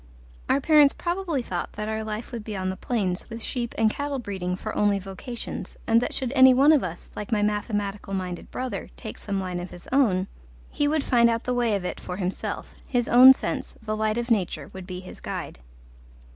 Our parents probably thought that our life would be on the plains, with sheep and cattle breeding for only vocations, and that should any one of us, like my mathematical minded brother, take some line of his own, he would find out the way of it for himself: his own sense, the light of nature, would be his guide.